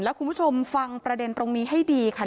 แล้วคุณผู้ชมฟังประเด็นตรงนี้ให้ดีค่ะ